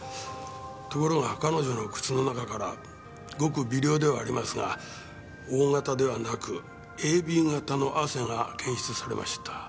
ところが彼女の靴の中からごく微量ではありますがＯ型ではなくＡＢ型の汗が検出されました。